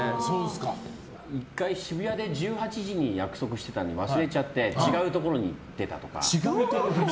１回、渋谷で１８時に約束してたの忘れちゃって違うところに行ってたとか。